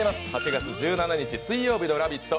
８月１７日水曜日の「ラヴィット！」